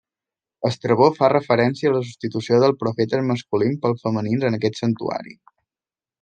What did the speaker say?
Estrabó fa referència a la substitució dels profetes masculins pels femenins en aquest santuari.